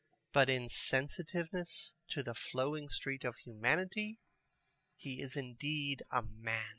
But in sensitiveness to the flowing street of humanity he is indeed a man.